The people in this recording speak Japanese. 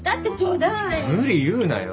無理言うなよ。